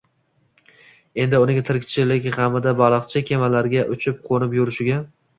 Endi uning tirikchilik g‘amida baliqchi kemalarga uchib-qo‘nib yurishiga